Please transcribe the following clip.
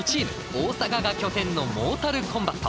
大阪が拠点のモータルコンバット。